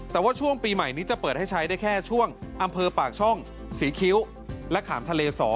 แต่ว่าช่วงปีใหม่นี้จะเปิดให้ใช้ได้แค่ช่วงอำเภอปากช่องศรีคิ้วและขามทะเล๒